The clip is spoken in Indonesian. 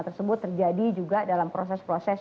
tersebut terjadi juga dalam proses proses